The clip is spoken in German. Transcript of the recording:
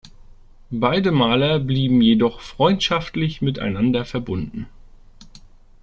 Beide Maler blieben jedoch freundschaftlich miteinander verbunden.